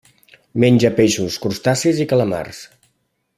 Menja peixos, crustacis i calamars.